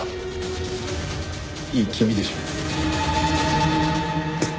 いい気味でしょ。